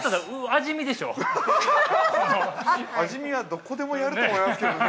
◆味見はどこでもやると思いますけどね。